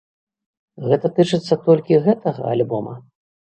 Гэта тычыцца толькі гэтага альбома?